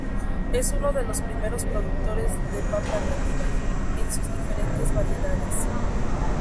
Es uno de los primeros productores de papa nativa, en sus diferentes variedades.